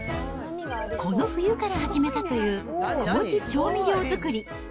この冬から始めたという、こうじ調味料作り。